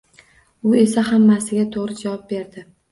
U esa hammasiga to`g`ri javob berdi